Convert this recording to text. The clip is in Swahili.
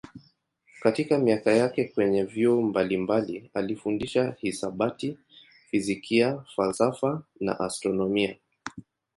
Katika miaka yake kwenye vyuo mbalimbali alifundisha hisabati, fizikia, falsafa na astronomia.